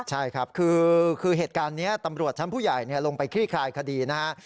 ใช่ครับคือเหตุการณ์นี้ตำรวจชั้นผู้ใหญ่ลงไปคลี่คลายคดีนะฮะ